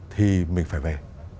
thì mình phải về